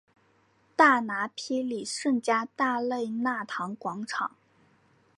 大拿坡里圣加大肋纳堂广场。